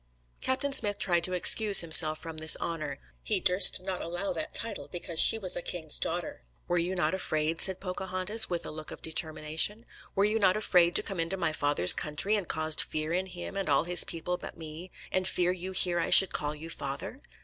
Captain Smith tried to excuse himself from this honour. He "durst not allow that title because she was a king's daughter." "Were you not afraid," said Pocahontas, with a look of determination, "were you not afraid to come into my father's country, and caused fear in him and all his people but me, and fear you here I should call you father?